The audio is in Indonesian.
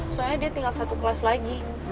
soalnya dia tinggal satu kelas lagi